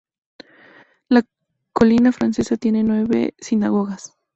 La Colina Francesa tiene nueve sinagogas.